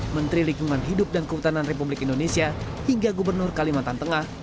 menteri lingkungan hidup dan kehutanan republik indonesia hingga gubernur kalimantan tengah